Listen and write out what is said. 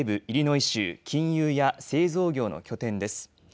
中西部イリノイ州、金融や製造業の拠点です。